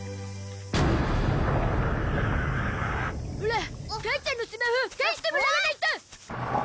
オラ母ちゃんのスマホ返してもらわないと！